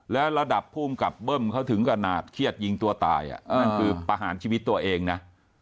แล้วระดับภูมิกับเบิ้มเขาถึงขนาดเครียดยิงตัวตายนั่นคือประหารชีวิตตัวเองนะ